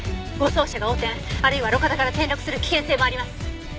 あるいは路肩から転落する危険性もあります。